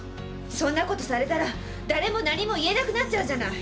そんなことされたら誰も何も言えなくなっちゃうじゃない！